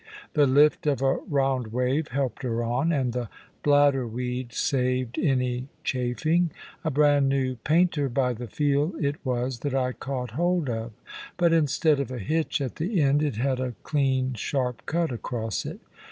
The lift of a round wave helped her on, and the bladder weed saved any chafing. A brand new painter (by the feel) it was that I caught hold of; but instead of a hitch at the end, it had a clean sharp cut across it.